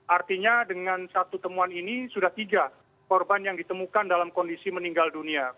artinya dengan satu temuan ini sudah tiga korban yang ditemukan dalam kondisi meninggal dunia